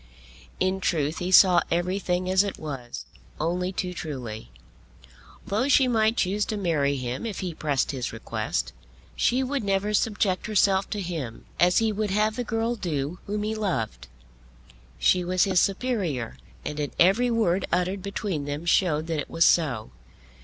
In truth he saw everything as it was only too truly. Though she might choose to marry him if he pressed his request, she would never subject herself to him as he would have the girl do whom he loved. She was his superior, and in every word uttered between them showed that it was so.